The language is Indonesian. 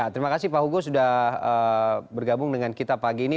terima kasih pak hugo sudah bergabung dengan kita pagi ini